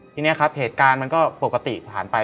ทีนี้ครับเหตุการณ์มันก็ปกติผ่านไป